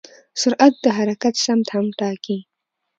سرعت د حرکت سمت هم ټاکي.